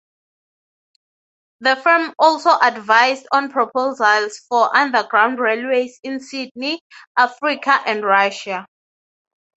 The firm also advised on proposals for underground railways in Sydney, Africa and Russia.